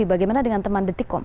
bagaimana dengan teman detikkom